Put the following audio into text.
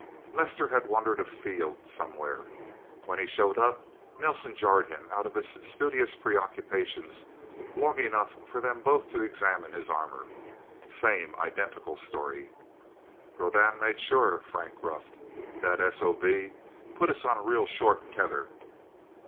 Lester had wandered afield, somewhere. When he showed up, Nelsen jarred him out of his studious preoccupations long enough for them both to examine his armor. Same, identical story. "Rodan made sure," Frank gruffed. "That S.O.B. put us on a real short tether!"